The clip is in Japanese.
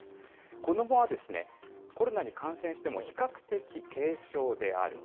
子どもはコロナに感染しても比較的軽症である。